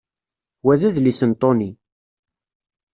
Wa d adlis n Tony.